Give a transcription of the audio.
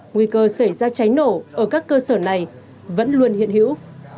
nguy cơ xảy ra cháy nổ ở các cơ sở này vẫn luôn hiện hữu